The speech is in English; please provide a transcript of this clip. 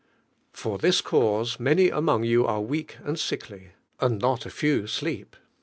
Fur this c!iii*L' many among you lire wenk and sickly, and not a few sleep.